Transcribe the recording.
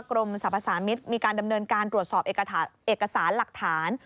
กรมสรรพสามิตรมีการดำเนินการตรวจสอบเอกสารหลักฐาน